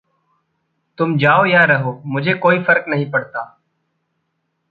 तुम जाओ या रहो, मुझे कोई फ़र्क नहीं पड़ता।